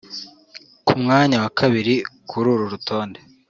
Ku mwanya wa kabiri kuri uru rutonde